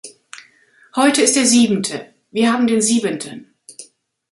Heute ist der siebente, wir haben den siebenten.